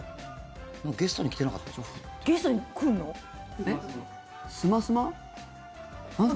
ゲストに来てなかったでしたっけ？